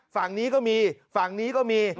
ฝั่งนี้ก็มีฝั่งนี้ก็มี